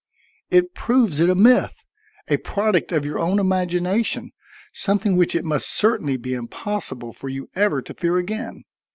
It proves it a myth, a product of your own imagination, something which it must certainly be impossible for you ever to fear again.